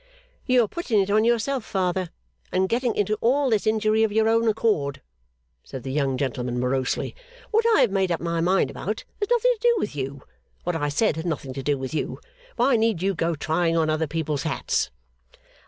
'You are putting it on yourself, father, and getting into all this injury of your own accord!' said the young gentleman morosely. 'What I have made up my mind about has nothing to do with you. What I said had nothing to do with you. Why need you go trying on other people's hats?